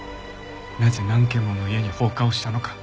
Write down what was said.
なぜ何軒もの家に放火をしたのか。